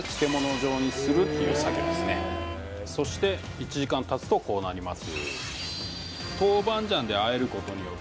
１時間たつとこうなります。